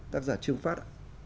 tác giả trương phát